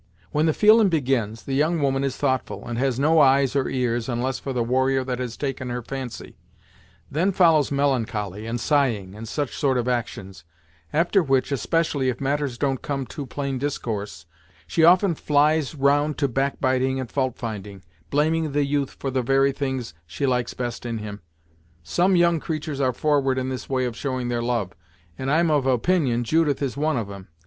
When the feelin' begins, the young woman is thoughtful, and has no eyes or ears onless for the warrior that has taken her fancy; then follows melancholy and sighing, and such sort of actions; after which, especially if matters don't come to plain discourse, she often flies round to back biting and fault finding, blaming the youth for the very things she likes best in him. Some young creatur's are forward in this way of showing their love, and I'm of opinion Judith is one of 'em.